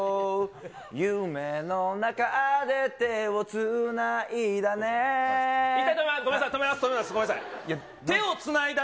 夢の中で手をつないだね。